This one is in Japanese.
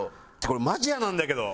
これマジ嫌なんだけど。